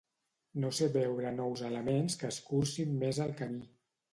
No sé veure nous elements que escurcin més el camí.